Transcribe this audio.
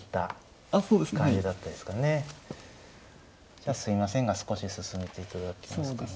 じゃあすいませんが少し進めていただけますか。